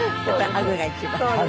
ハグが一番。